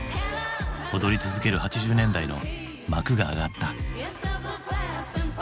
踊り続ける８０年代の幕が上がった。